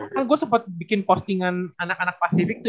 kan gue sempat bikin postingan anak anak pasifik tuh